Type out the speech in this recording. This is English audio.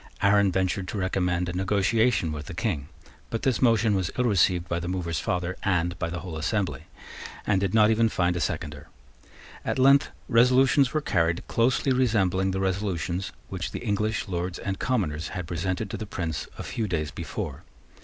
Arran ventured to recommend a negotiation with the King. But this motion was ill received by the mover's father and by the whole assembly, and did not even find a seconder. At length resolutions were carried closely resembling the resolutions which the English Lords and Commoners had presented to the Prince a few days before.